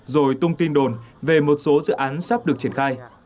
rồi tung tin đồn về một số dự án sắp được triển khai